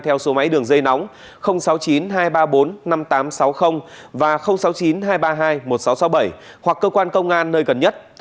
theo số máy đường dây nóng sáu mươi chín hai trăm ba mươi bốn năm nghìn tám trăm sáu mươi và sáu mươi chín hai trăm ba mươi hai một nghìn sáu trăm sáu mươi bảy hoặc cơ quan công an nơi gần nhất